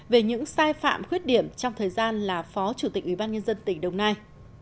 về những sai phạm khuyết điểm trong thời gian là phó chủ tịch ủy ban nhân dân tỉnh đồng nai